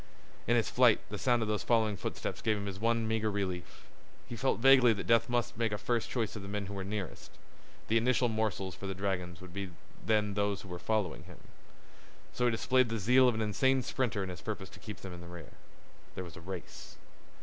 In his flight the sound of these following footsteps gave him his one meager relief. He felt vaguely that death must make a first choice of the men who were nearest; the initial morsels for the dragons would be then those who were following him. So he displayed the zeal of an insane sprinter in his purpose to keep them in the rear. There was a race.